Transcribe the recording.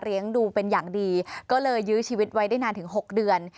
ดูเป็นอย่างดีก็เลยยื้อชีวิตไว้ได้นานถึง๖เดือน